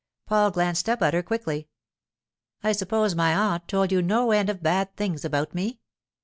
Paul glanced up at her quickly. 'I suppose my aunt told you no end of bad things about me?